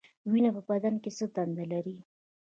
وینه په بدن کې څه دنده لري؟